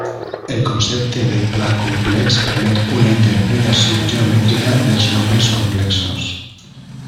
El concepte de pla complex permet una interpretació geomètrica dels nombres complexos.